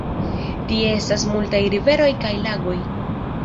Tie estas multaj riveroj kaj lagoj.